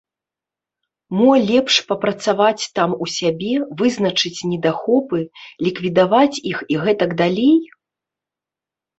Мо, лепш папрацаваць там у сябе, вызначыць недахопы, ліквідаваць іх і гэтак далей?